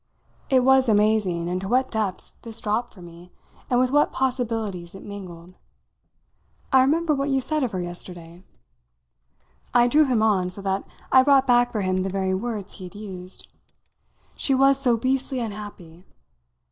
It was amazing into what depths this dropped for me and with what possibilities it mingled. "I remember what you said of her yesterday." I drew him on so that I brought back for him the very words he had used. "She was so beastly unhappy."